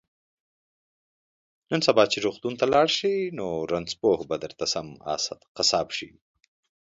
نن سبا چې روغتون ته لاړ شي نو رنځپوه به درته سم قصاب شي